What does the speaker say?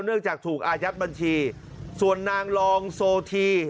จากถูกอายัดบัญชีส่วนนางรองโซธี